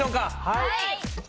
はい！